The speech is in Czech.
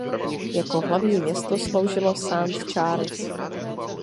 Jako hlavní město sloužilo Saint Charles.